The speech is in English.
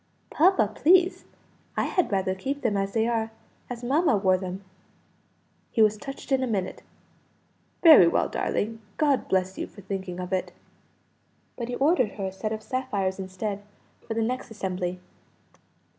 "Papa, please, I had rather keep them as they are as mamma wore them." He was touched in a minute. "Very well, darling. God bless you for thinking of it!" But he ordered her a set of sapphires instead, for the next assembly.